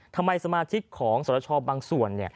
ทำไมสมาชิกของสรชาบางส่วน